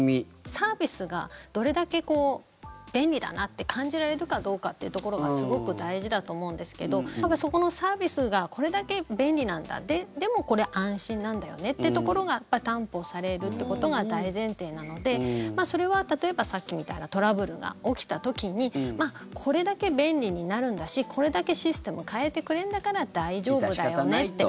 サービスがどれだけ便利だなって感じられるかどうかってところがすごく大事だと思うんですけど多分、そこのサービスがこれだけ便利なんだでも、これ安心なんだよねってところが担保されるってことが大前提なのでそれは例えば、さっきみたいなトラブルが起きた時にこれだけ便利になるんだしこれだけシステム変えてくれるんだから大丈夫だよねと。